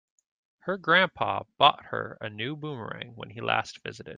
Her grandpa bought her a new boomerang when he last visited.